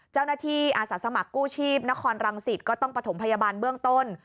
เจ้าหน้าที่อาสาสมัครกู้ชีพนครรังสิทธิ์ก็ต้องประถมพยาบาลเบื้องต้น